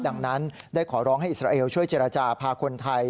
ดังนั้นได้ขอร้องให้อิสราเอลช่วยเจรจาพาคนไทย